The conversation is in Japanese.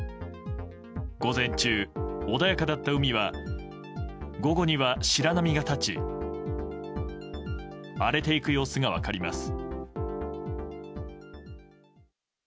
午前中、穏やかだった海は午後には白波が立ち荒れていく様子が分かります。